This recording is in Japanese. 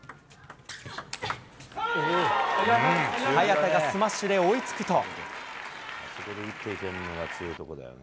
早田がスマッシュで追いつくと。